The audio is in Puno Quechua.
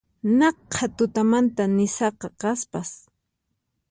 Naqha tutamanta misaqa kasqas